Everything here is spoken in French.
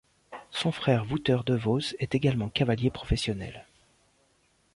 Son frère Wouter Devos est également cavalier professionnel.